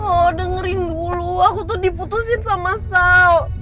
oh dengerin dulu aku tuh diputusin sama sau